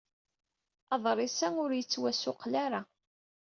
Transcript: Aḍris-a ur yettwassuqqel ara.